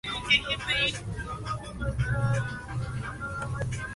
Organiza actividades para el inicio, el desarrollo y el cierre de la clase.